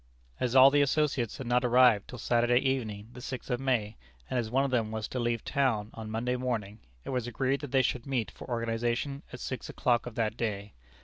As all the associates had not arrived till Saturday evening, the 6th of May, and as one of them was to leave town on Monday morning, it was agreed that they should meet for organization at six o'clock of that day.